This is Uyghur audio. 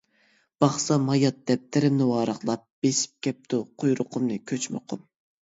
باقسام ھايات دەپتىرىمنى ۋاراقلاپ، بېسىپ كەپتۇ قۇيرۇقۇمنى كۆچمە قۇم.